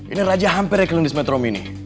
ini raja hampir ya kalendis metro mini